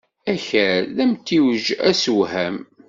Akal d amtiweg asewham.